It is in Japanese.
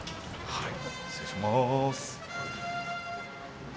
はい。